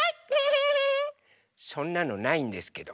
そんなのないんですけど。